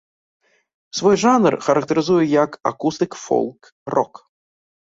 Свой жанр характарызуе як акустык-фолк-рок.